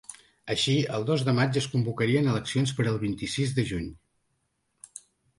Així, el dos de maig es convocarien eleccions per al vint-i-sis de juny.